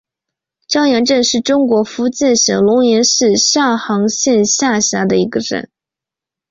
蛟洋镇是中国福建省龙岩市上杭县下辖的一个镇。